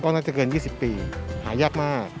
น่าจะเกิน๒๐ปีหายากมาก